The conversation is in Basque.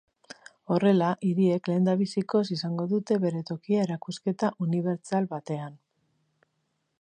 Horrela, hiriek lehendabizikoz izango dute bere tokia erakusketa unibertsal batean.